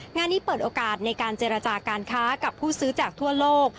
งานนี้เปิดโอกาสในการเจรจาการค้ากับผู้ซื้อจากทั่วโลก